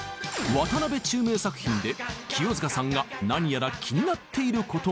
渡辺宙明作品で清塚さんが何やら気になっていることが。